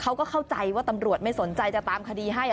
เขาก็เข้าใจว่าตำรวจไม่สนใจจะตามคดีให้